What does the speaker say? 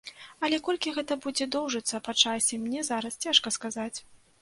Але колькі гэта будзе доўжыцца па часе, мне зараз цяжка сказаць.